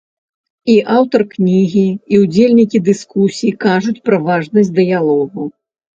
І аўтар кнігі, і ўдзельнікі дыскусій кажуць пра важнасць дыялогу.